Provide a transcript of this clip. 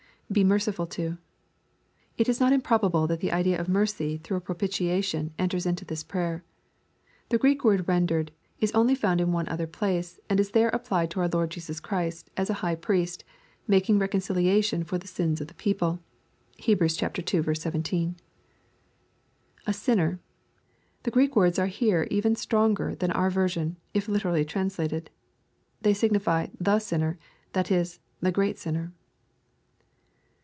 [Be merciful to.] It is not improbable that the idea of mercy through a propitiation, enters into this prayer. The Greek word rendered, "be merciful to," is only found in one other place, and is there applied to our Lord Jesus Christ, as a High Priest, " mak JLg reconciliation" for the sins of the people. (Heb. ii. 17.) [A sinner.] The Greek words are here even stronger than our veraiun, if literally translated. They signify " tfie sinner," that is, " the great siuner."